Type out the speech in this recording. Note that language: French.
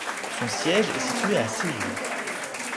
Son siège est situé à Séoul.